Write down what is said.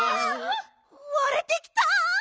われてきた！